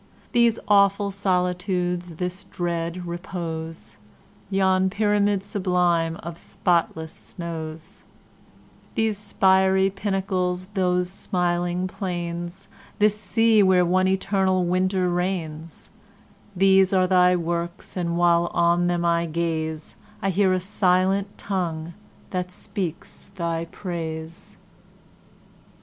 These awful solitudes, this dread repose, Yon pyramid sublime of spotless snows, These spiry pinnacles, those smiling plains, This sea where one eternal winter reigns, These are thy works, and while on them I gaze I hear a silent tongue that speaks thy praise.